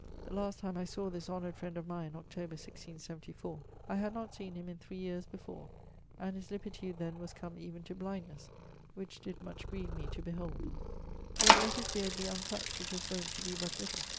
The last time I sawe this honoured friend of mine, Octob. 1674. I had not seen him in 3 yeares before, and his lippitude then was come even to blindnesse, which did much grieve me to behold. He had let his beard be uncutt, which was wont to be but little.